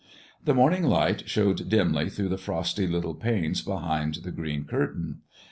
The morning light showed dimly through the frosty little panes behind the green curtain.